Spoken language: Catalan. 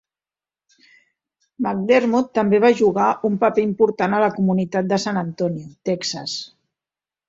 McDermott també va jugar un paper important a la comunitat de San Antonio, Texas.